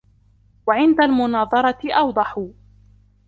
وَعِنْدَ الْمُنَاظَرَةِ أَوْضَحُ